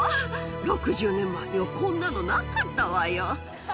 ６０年前にはこんなのなかったわよ。